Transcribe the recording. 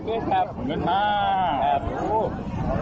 ขอบคุณมาก